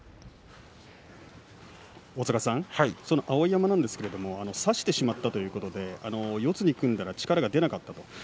碧山なんですけれども差してしまったということで四つに組んだら力が出なかった。